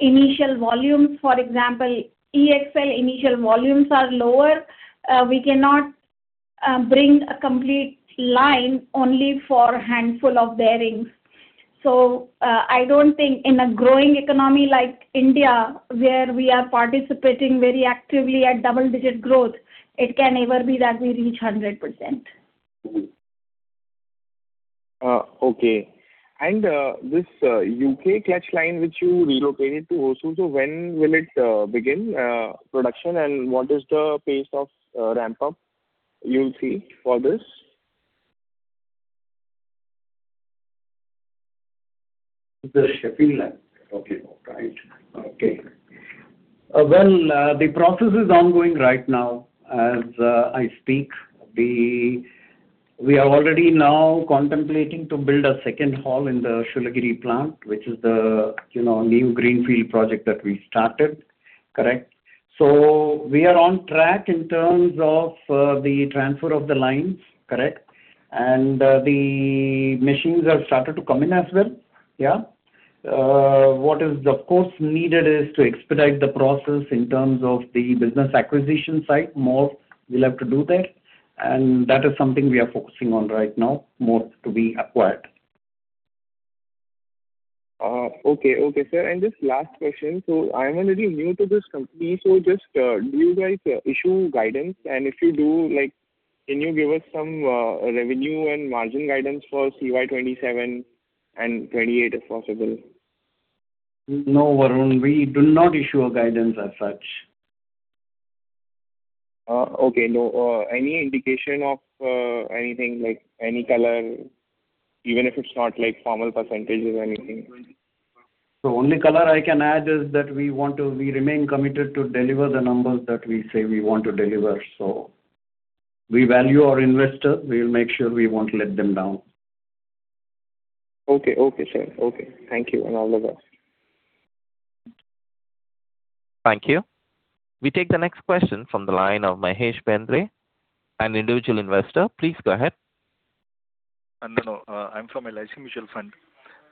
Initial volumes, for example, e-axle initial volumes are lower. We cannot bring a complete line only for a handful of bearings. I don't think in a growing economy like India, where we are participating very actively at double-digit growth, it can never be that we reach 100%. Okay. This U.K. clutch line which you relocated to Hosur, when will it begin production, and what is the pace of ramp-up you see for this? The Schaeffler line. All right. Well, the process is ongoing right now as I speak. We are already now contemplating to build a second hall in the Shoolagiri plant, which is the, you know, new greenfield project that we started. Correct. We are on track in terms of the transfer of the lines. Correct. The machines have started to come in as well. Yeah. What is of course needed is to expedite the process in terms of the business acquisition side. More we'll have to do there. That is something we are focusing on right now, more to be acquired. Okay. Okay, sir. Just last question. I'm a little new to this company. Just, do you guys issue guidance? If you do, like, can you give us some revenue and margin guidance for CY 2027 and 2028 if possible? No, Varun, we do not issue a guidance as such. Okay. No. Any indication of anything like any color, even if it's not like formal percentages or anything? Only color I can add is that we remain committed to deliver the numbers that we say we want to deliver. We value our investor. We'll make sure we won't let them down. Okay. Okay, sir. Okay. Thank you, and all the best. Thank you. We take the next question from the line of Mahesh Bendre, an individual investor. Please go ahead. No, no. I'm from LIC Mutual Fund.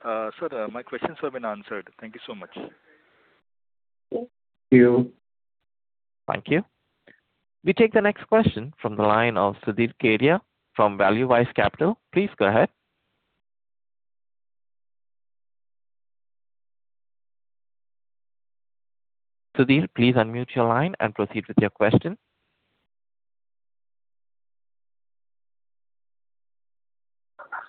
Sir, my questions have been answered. Thank you so much. Thank you. Thank you. We take the next question from the line of Sudhir Kedia from ValueWise Capital. Please go ahead. Sudhir, please unmute your line and proceed with your question.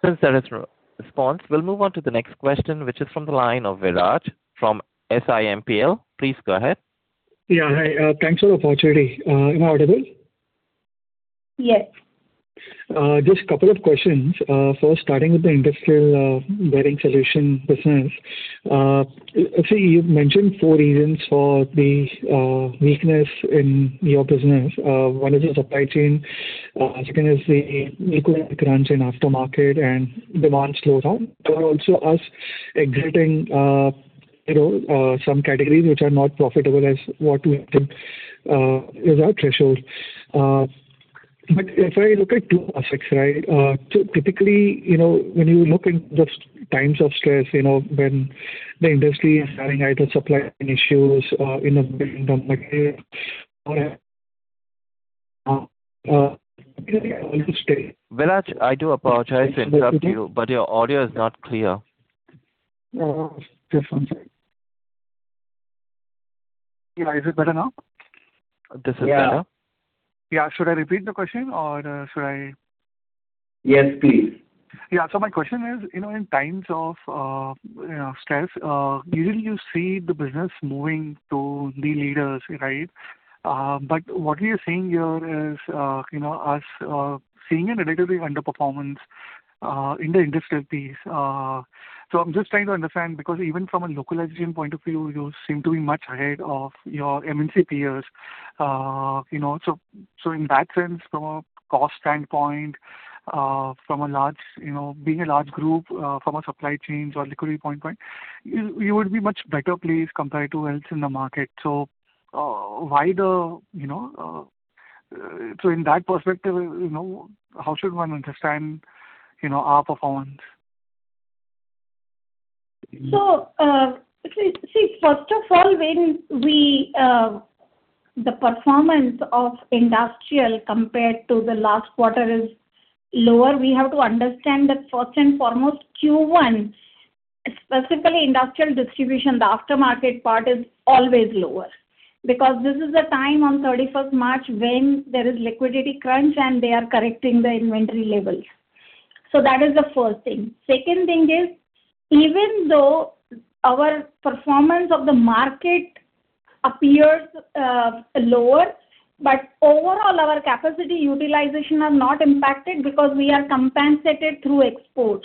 Since there is no response, we'll move on to the next question, which is from the line of Viraj from SiMPL. Please go ahead. Yeah. Hi. Thanks for the opportunity. Am I audible? Yes. Just couple of questions. First starting with the industrial bearing solution business. Actually you've mentioned four reasons for the weakness in your business. One is the supply chain, second is the liquid crunch in aftermarket and demand slowdown. There were also us exiting, you know, some categories which are not profitable as what we think is our threshold. If I look at two aspects, right? Typically, you know, when you look in the times of stress, you know, when the industry is having either supply chain issues or, you know, bearing down. Viraj, I do apologize to interrupt you, but your audio is not clear. Oh, just one sec. Yeah. Is it better now? This is better. Yeah. Yeah. Should I repeat the question or? Yes, please. Yeah. My question is, you know, in times of, you know, stress, usually you see the business moving to the leaders, right? What we are seeing here is, you know, us seeing a relatively underperformance in the industrial piece. I'm just trying to understand because even from a localization point of view, you seem to be much ahead of your MNC peers. You know, in that sense, from a cost standpoint, from a large, you know, being a large group, from a supply chain or liquidity point, you would be much better placed compared to else in the market. Why the, you know, in that perspective, you know, how should one understand, you know, our performance? First of all, when we, the performance of industrial compared to the last quarter is lower, we have to understand that first and foremost Q1, specifically industrial distribution, the aftermarket part is always lower. Because this is the time on 31st March when there is liquidity crunch and they are correcting the inventory levels. Second thing is, even though our performance of the market appears lower, but overall our capacity utilization are not impacted because we are compensated through exports.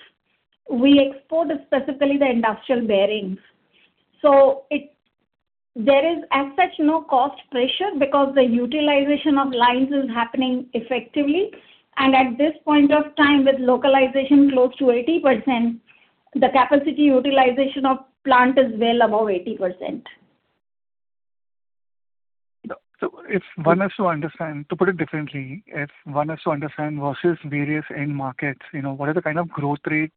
We export specifically the industrial bearings. There is as such no cost pressure because the utilization of lines is happening effectively. At this point of time, with localization close to 80%, the capacity utilization of plant is well above 80%. If one has to understand, to put it differently, if one has to understand versus various end markets, you know, what is the kind of growth rate?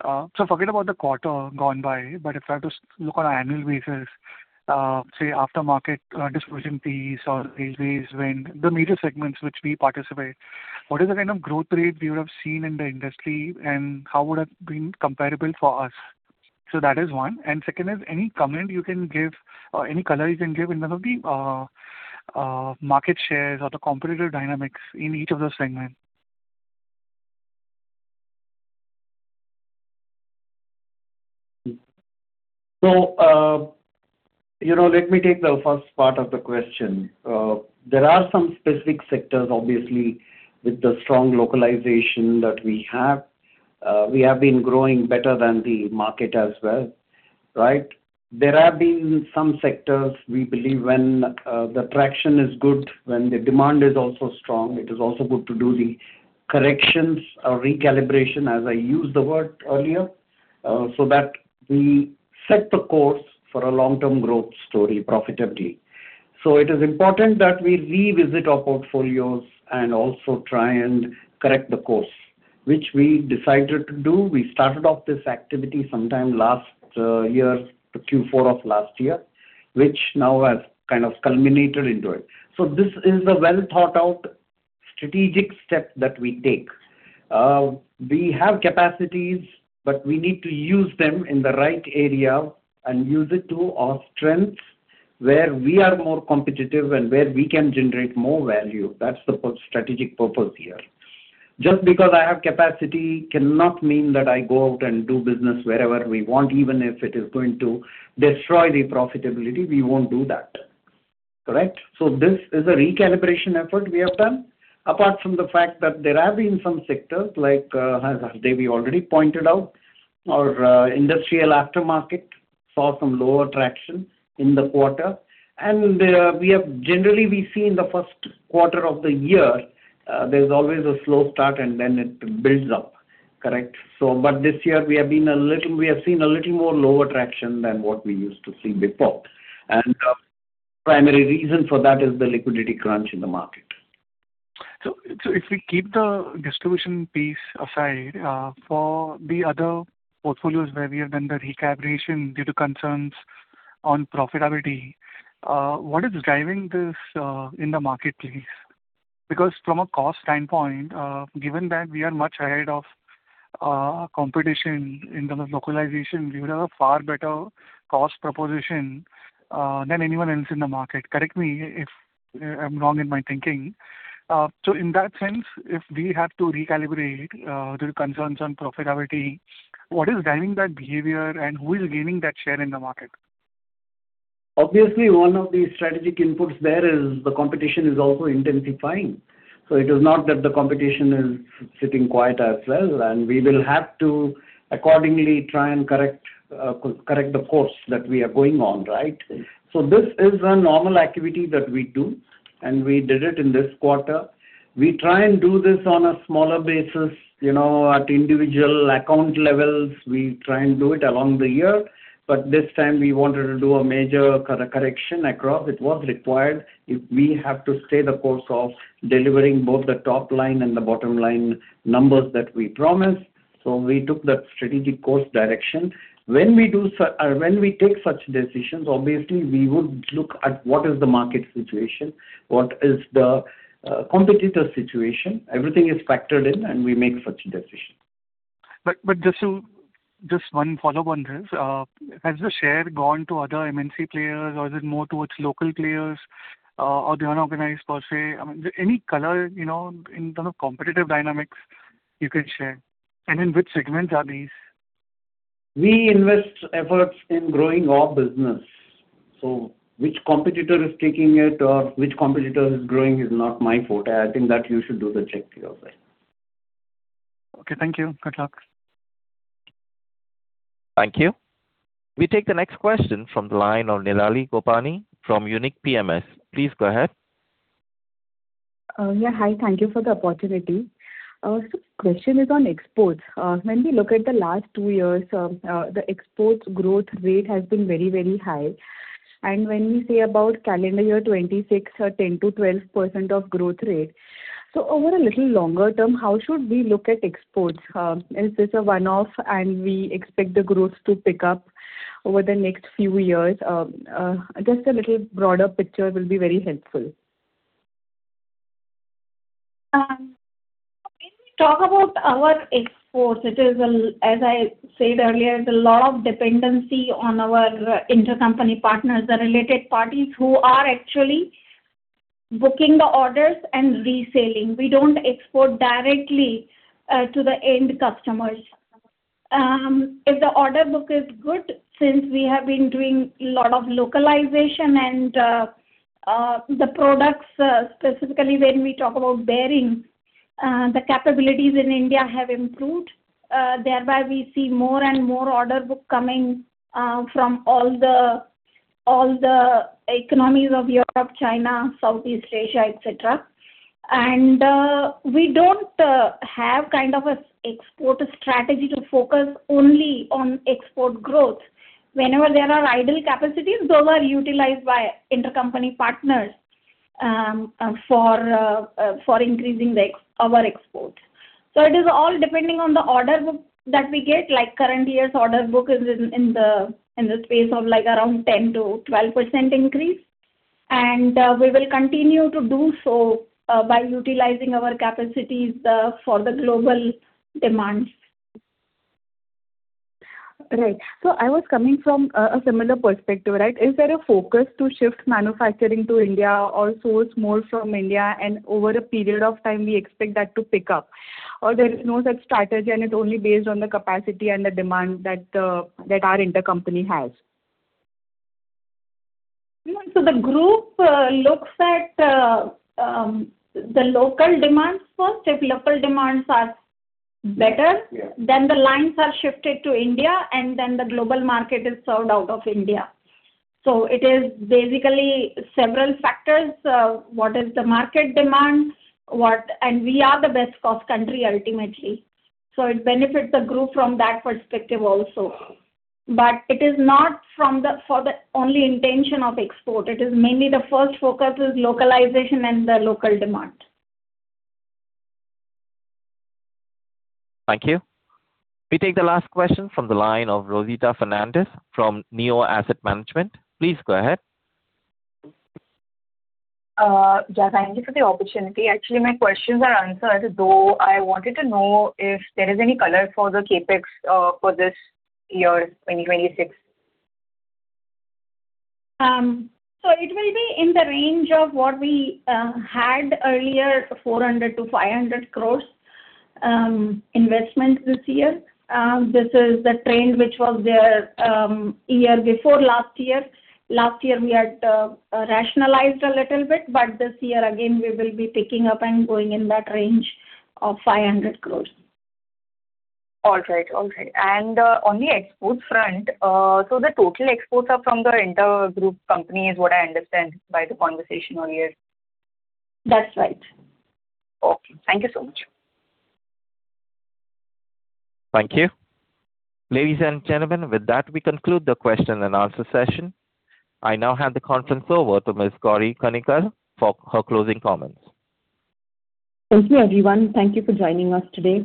Forget about the quarter gone by, but if I have to look on an annual basis, say aftermarket, distribution piece or railways, when the major segments which we participate, what is the kind of growth rate we would have seen in the industry, and how would have been comparable for us? That is one. Second is any comment you can give or any color you can give in terms of the market shares or the competitive dynamics in each of those segments. You know, let me take the first part of the question. There are some specific sectors, obviously, with the strong localization that we have. We have been growing better than the market as well, right? There have been some sectors we believe when the traction is good, when the demand is also strong, it is also good to do the corrections or recalibration, as I used the word earlier, so that we set the course for a long-term growth story profitability. It is important that we revisit our portfolios and also try and correct the course, which we decided to do. We started off this activity sometime last year, Q4 of last year, which now has kind of culminated into it. This is a well-thought-out strategic step that we take. We have capacities, but we need to use them in the right area and use it to our strengths, where we are more competitive and where we can generate more value. That's the strategic purpose here. Just because I have capacity cannot mean that I go out and do business wherever we want, even if it is going to destroy the profitability, we won't do that. Correct. This is a recalibration effort we have done. Apart from the fact that there have been some sectors, like, as Hardevi already pointed out, our industrial aftermarket saw some lower traction in the quarter. Generally, we see in the first quarter of the year, there's always a slow start and then it builds up. Correct. This year we have seen a little more lower traction than what we used to see before. Primary reason for that is the liquidity crunch in the market. If we keep the distribution piece aside, for the other portfolios where we have done the recalibration due to concerns on profitability, what is driving this in the market, please? From a cost standpoint, given that we are much ahead of competition in terms of localization, we would have a far better cost proposition than anyone else in the market. Correct me if I'm wrong in my thinking. In that sense, if we have to recalibrate the concerns on profitability, what is driving that behavior and who is gaining that share in the market? Obviously, one of the strategic inputs there is the competition is also intensifying. It is not that the competition is sitting quiet as well, and we will have to accordingly try and correct the course that we are going on, right? Mm-hmm. This is a normal activity that we do, and we did it in this quarter. We try and do this on a smaller basis, you know, at individual account levels. We try and do it along the year. This time we wanted to do a major correction across. It was required if we have to stay the course of delivering both the top line and the bottom line numbers that we promised. We took that strategic course direction. When we take such decisions, obviously, we would look at what is the market situation, what is the competitor situation. Everything is factored in and we make such a decision. Just one follow on this. Has the share gone to other MNC players or is it more towards local players or the unorganized per se? I mean, any color, you know, in terms of competitive dynamics you could share. In which segments are these? We invest efforts in growing our business. Which competitor is taking it or which competitor is growing is not my forte. I think that you should do the check your way. Okay. Thank you. Good luck. Thank you. We take the next question from the line of Nirali Gopani from Unique PMS. Please go ahead. Yeah, hi. Thank you for the opportunity. Question is on exports. When we look at the last two years, the exports growth rate has been very, very high. When we say about calendar year 2026, 10%-12% of growth rate. Over a little longer term, how should we look at exports? Is this a one-off and we expect the growth to pick up over the next few years? Just a little broader picture will be very helpful. When we talk about our exports, it is As I said earlier, there's a lot of dependency on our intercompany partners, the related parties who are actually booking the orders and reselling. We don't export directly to the end customers. If the order book is good, since we have been doing a lot of localization and the products, specifically when we talk about bearings, the capabilities in India have improved, thereby we see more and more order book coming from all the economies of Europe, China, Southeast Asia, et cetera. We don't have kind of an export strategy to focus only on export growth. Whenever there are idle capacities, those are utilized by intercompany partners for increasing our exports. It is all depending on the order book that we get. Like current year's order book is in the space of like around 10%-12% increase. We will continue to do so by utilizing our capacities for the global demands. Right. I was coming from a similar perspective, right? Is there a focus to shift manufacturing to India or source more from India and over a period of time we expect that to pick up? Or there is no such strategy and it's only based on the capacity and the demand that our intercompany has? The group looks at the local demands first. If local demands are better. Yeah. The lines are shifted to India, and then the global market is served out of India. It is basically several factors. What is the market demand, and we are the best cost country ultimately, so it benefits the group from that perspective also. It is not from the, for the only intention of export. It is mainly the first focus is localization and the local demand. Thank you. We take the last question from the line of Rosita Fernandes from Neo Asset Management. Please go ahead. Thank you for the opportunity. Actually, my questions are answered, though I wanted to know if there is any color for the CapEx for this year's 2026. It will be in the range of what we had earlier, 400 crore-500 crore, investment this year. This is the trend which was there, year before last year. Last year we had rationalized a little bit. This year again we will be picking up and going in that range of 500 crore. All right. All right. On the export front, the total exports are from the intergroup company is what I understand by the conversation earlier. That's right. Okay. Thank you so much. Thank you. Ladies and gentlemen, with that, we conclude the question and answer session. I now hand the conference over to Ms. Gauri Kanikar for her closing comments. Thank you, everyone. Thank you for joining us today.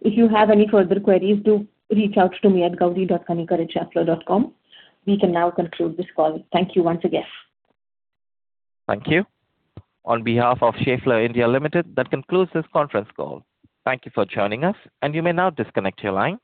If you have any further queries, do reach out to me at gauri.kanikar@schaeffler.com. We can now conclude this call. Thank you once again. Thank you. On behalf of Schaeffler India Limited, that concludes this conference call. Thank you for joining us, and you may now disconnect your line.